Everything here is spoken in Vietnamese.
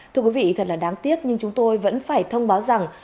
thưa quý vị thật là đáng tiếc nhưng chúng tôi vẫn phải thông báo rằng